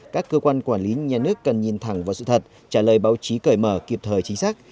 các cơ quan quản lý nhà nước cần nhìn thẳng vào sự thật trả lời báo chí cởi mở kịp thời chính xác